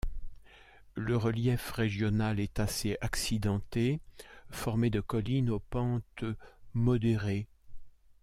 Le relief régional est assez accidenté, formé de collines aux pentes modérées.